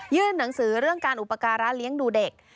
หนังสือเรื่องการอุปการะเลี้ยงดูเด็ก